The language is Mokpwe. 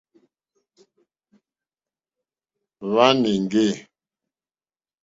Wàná èŋɡê.